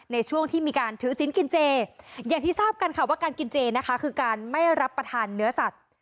ในช่วงที่มีการถือศิลป์กินเจอย่างที่ทราบกันค่ะว่าการกินเจนะคะคือการไม่รับประทานเนื้อสัตว์